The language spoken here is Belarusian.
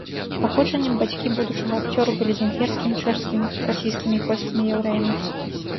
Паходжаннем бацькі будучага акцёру былі венгерскімі, чэшскімі, расійскімі і польскімі яўрэямі.